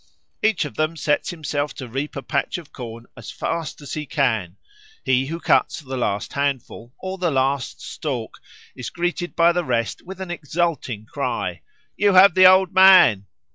Each of them sets himself to reap a patch of corn as fast as he can; he who cuts the last handful or the last stalk is greeted by the rest with an exulting cry, "You have the Old Man."